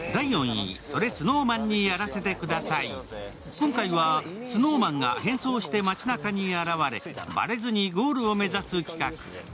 今回は、ＳｎｏｗＭａｎが変装して街なかに現れバレずにゴールを目指す企画。